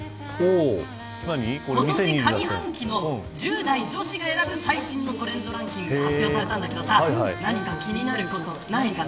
今年上半期の１０代女子が選ぶ最新のトレンドランキングが発表されたんだけどさ何か気になることないかな。